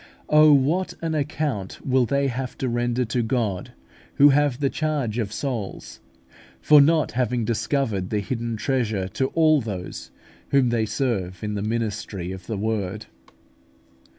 Oh, what an account will they have to render to God who have the charge of souls, for not having discovered this hidden treasure to all those whom they serve in the ministry of the Word!